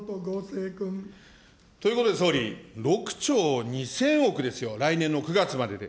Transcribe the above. ということで総理、６兆２０００億ですよ、来年の９月までで。